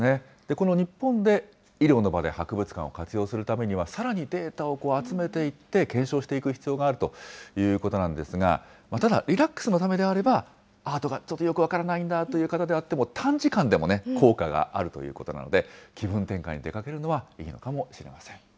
この日本で医療の場で博物館を活用するためには、さらにデータを集めていって、検証していく必要があるということなんですが、ただ、リラックスのためであれば、アートがちょっとよく分からないんだという方であっても、短時間でもね、効果があるということなので、気分転換に出かけるのはいいのかもしれません。